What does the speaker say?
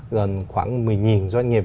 gần khoảng một mươi doanh nghiệp